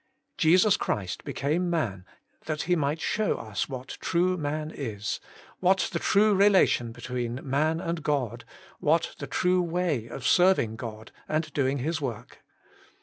Jesus Christ became man that He might show us what true man is, what the true relation between man and God, what the true way of serving God and doing His work.